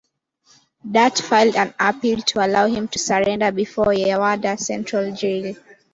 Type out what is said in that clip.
Dutt filed an appeal to allow him to surrender before Yerwada Central Jail.